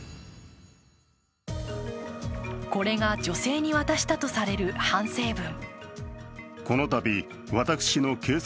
これが女性に渡したとされる反省文。